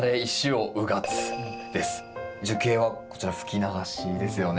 樹形はこちら吹き流しですよね。